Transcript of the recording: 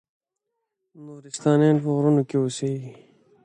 نورستانیان په غرونو کې اوسیږي؟